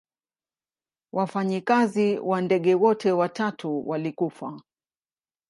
Wafanyikazi wa ndege wote watatu walikufa.